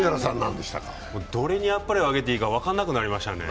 どれにあっぱれをあげていいか分かんなくなりましたね。